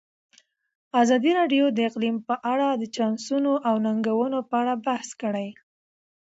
ازادي راډیو د اقلیم په اړه د چانسونو او ننګونو په اړه بحث کړی.